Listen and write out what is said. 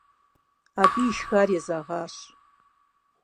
Абы ишхар езэгъащ.